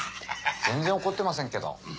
全然怒ってませんけど。